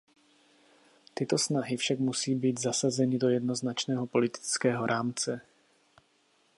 Tyto snahy však musí být zasazeny do jednoznačného politického rámce.